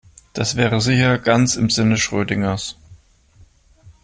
Das wäre sicher ganz im Sinne Schrödingers.